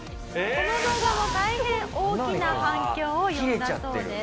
この動画も大変大きな反響を呼んだそうです。